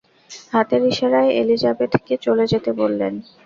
হাতের ইশারায় এলিজাবেথকে চলে যেতে বললেন।